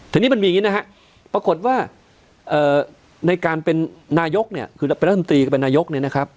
ทีนี้มันมีอย่างนี้นะครับปรากฏว่าในการเป็นนายกคือเป็นรัฐมนตรีกับเป็นนายก